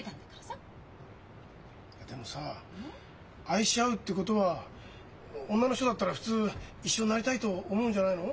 愛し合うってことは女の人だったら普通一緒になりたいと思うんじゃないの？